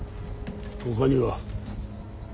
ほかには。